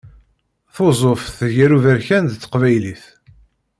Tuzzuft gar uberkan d teqbaylit.